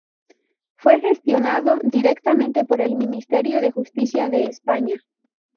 Fue gestionado directamente por el Ministerio de Justicia de España.